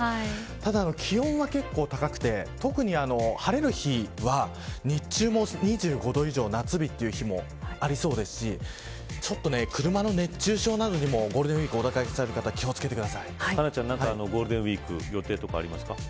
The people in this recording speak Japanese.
ただ、気温は結構高くて特に晴れる日は日中も２５度以上夏日という日もありそうですし車の熱中症などにもゴールデンウイークお出掛けされる方は佳菜ちゃんゴールデンウイーク予定がありますか。